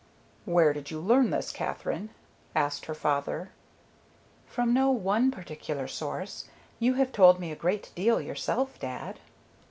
"Where did you learn this, Katherine?" asked her father. "From no one particular source. You have told me a great deal yourself, dad."